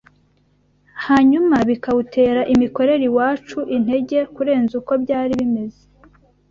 hanyuma bikawutera imikorere iwuca intege kurenza uko byari bimeze.